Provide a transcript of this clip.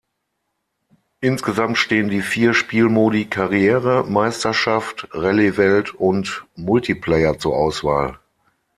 Insgesamt stehen die vier Spielmodi Karriere, Meisterschaft, Rallye-Welt und Multiplayer zur Auswahl.